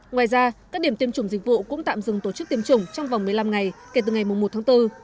ngoài ra các điểm tiêm chủng dịch vụ cũng tạm dừng tổ chức tiêm chủng trong vòng một mươi năm ngày kể từ ngày một tháng bốn